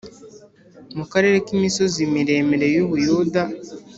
mu karere k imisozi miremire y u Buyuda